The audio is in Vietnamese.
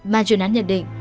ban chuyển án nhận định